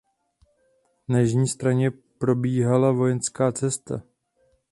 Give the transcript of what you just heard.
Na jižní straně probíhala vojenská cesta.